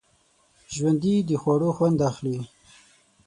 ژوندي د خوړو خوند اخلي